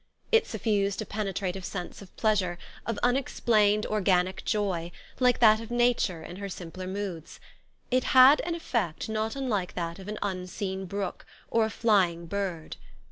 It suffused a penetrative sense of pleasure, of unexplained organic joy, like that of Nature in her simpler moods : it had an effect not unlike that of an unseen brook or a flying bird.